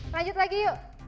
lanjut lagi yuk